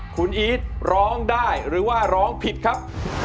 คุณอีทร้องได้หรือว่าร้องผิดครับ